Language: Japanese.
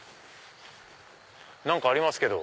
何かありますけど。